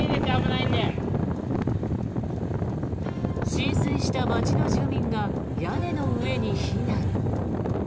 浸水した街の住民が屋根の上に避難。